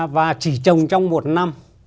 và chỉ trồng trong một năm